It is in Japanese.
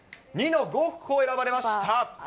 ２のゴッホを選ばれました。